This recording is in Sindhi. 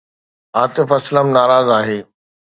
عاطف اسلم ناراض آهي